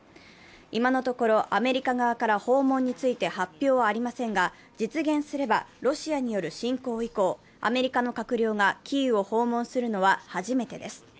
今のところアメリカ側から訪問について発表はありませんが実現すればロシアによる侵攻以降、アメリカの閣僚がキーウを訪問するのは初めてです。